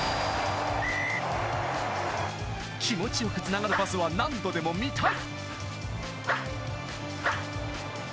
気持ちよく繋がるパスは何度でも見たい。